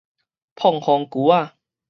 膨風龜